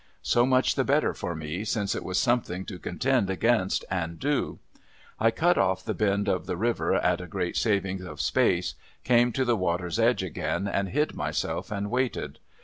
So much the better for me, since it was something to contend against and do. I cut off the bend of the river, at a great saving of space, came to the water's edge again, and hid myself, and waited.